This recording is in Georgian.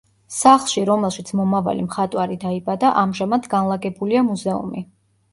სახლში, რომელშიც მომავალი მხატვარი დაიბადა ამჟამად განლაგებულია მუზეუმი.